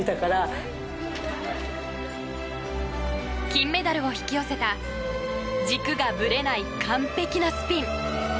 金メダルを引き寄せた軸がぶれない完璧なスピン。